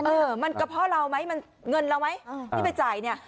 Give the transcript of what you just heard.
เออมันกระเพาะเราไหมมันเงินเราไหมที่ไปจ่ายเนี่ย